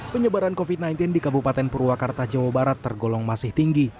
penyebaran covid sembilan belas di kabupaten purwakarta jawa barat tergolong masih tinggi